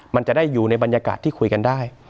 มันจะได้อยู่ในบรรยากาศที่คุยกันได้